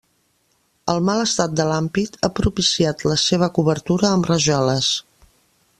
El mal estat de l'ampit ha propiciat la seva cobertura amb rajoles.